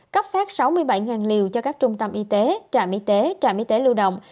cấp phát sáu mươi bảy liều cho các trung tâm y tế trạm y tế trạm y tế lưu động